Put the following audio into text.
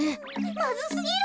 まずすぎる。